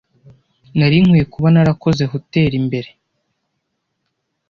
Nari nkwiye kuba narakoze hoteri mbere.